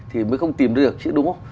thì mới không tìm ra được chứ đúng không